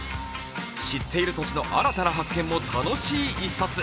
知っている土地の新たな発見も楽しい一冊。